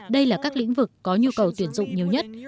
đây là các lĩnh vực có nhu cầu tuyển dụng nhiều nhất